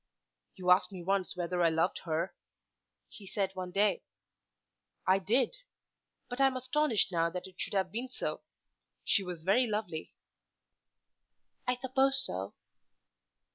"You asked me once whether I loved her," he said one day. "I did; but I am astonished now that it should have been so. She was very lovely." "I suppose so."